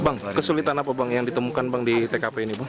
bang kesulitan apa yang ditemukan di tkp ini